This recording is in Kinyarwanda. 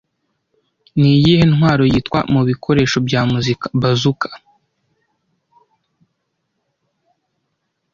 Niyihe ntwaro yitwa mubikoresho bya muzika Bazooka